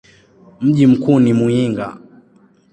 Mji mkuu ni Muyinga.